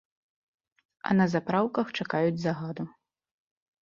А на запраўках чакаюць загаду.